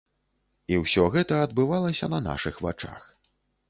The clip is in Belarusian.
І ўсё гэта адбывалася на нашых вачах.